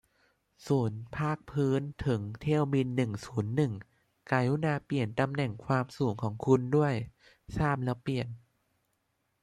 ศูนย์ภาคพื้นถึงเที่ยวบินหนึ่งศูนย์หนึ่ง กรุณาเปลี่ยนตำแหน่งความสูงของคุณด้วย ทราบแล้วเปลี่ยน